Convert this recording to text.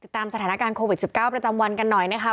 ตามสถานการณ์โควิด๑๙ประจำวันกันหน่อยนะคะ